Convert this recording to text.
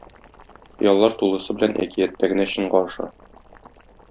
Хыяллар тулысы белән әкияттә генә чынга аша.